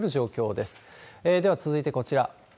では続いてこちら。